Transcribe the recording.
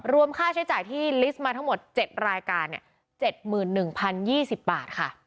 ค่าใช้จ่ายที่ลิสต์มาทั้งหมด๗รายการ๗๑๐๒๐บาทค่ะ